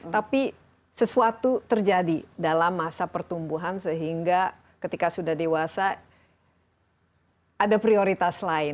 tapi sesuatu terjadi dalam masa pertumbuhan sehingga ketika sudah dewasa ada prioritas lain